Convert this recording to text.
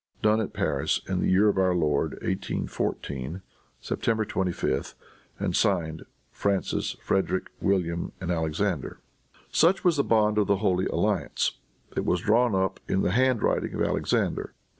Done at Paris, in the year of our Lord, 1814, September 25, and signed, Francis, Frederic William and Alexander." Such was the bond of the Holy Alliance. It was drawn up in the hand writing of Alexander.